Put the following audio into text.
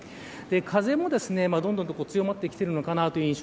風もどんどん強まってきているのかなという印象。